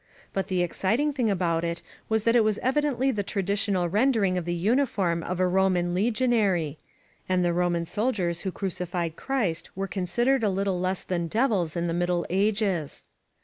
But the exciting thing about it was that it was evidently the traditional rendering of the uniform of a Roman legionary (*and the Roman soldiers who crucified Christ were considered a little. less than devils in the Middle Ages).